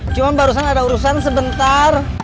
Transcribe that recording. cuma barusan ada urusan sebentar